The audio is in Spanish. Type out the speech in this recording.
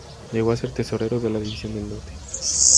Llegó a ser tesorero de la División del Norte.